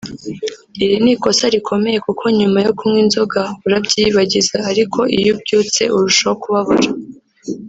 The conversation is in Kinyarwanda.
Iri ni ikosa rikomeye kuko nyuma yo kunywa inzoga urabyiyibagiza ariko iyo ubyibutse urushaho kubabara